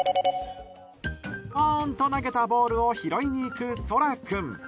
ぽーんと投げたボールを拾いに行くソラ君。